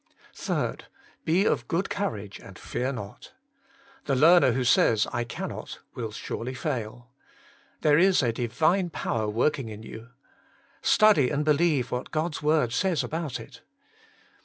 3. Be of good courage, and fear not. The learner who says I cannot, will surely fail. There is a Divine power working in you. Working for God 121 Study and believe what God's word says about it.